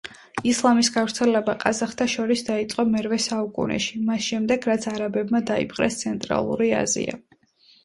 ისლამის გავრცელება ყაზახთა შორის დაიწყო მერვე საუკუნეში, მას შემდეგ რაც არაბებმა დაიპყრეს ცენტრალური აზია.